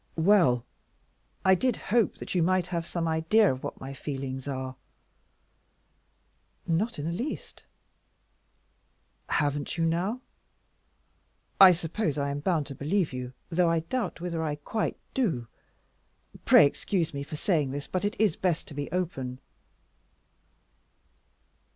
"Well, I did hope that you might have some idea of what my feelings are." "Not in the least." "Haven't you, now? I suppose I am bound to believe you, though I doubt whether I quite do. Pray excuse me for saying this, but it is best to be open."